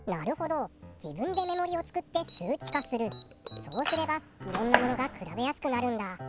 そうすればいろんなものが比べやすくなるんだ。